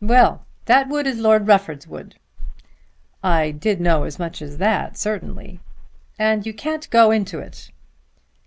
"Well; that wood is Lord Rufford's wood." "I did know as much as that, certainly." "And you can't go into it."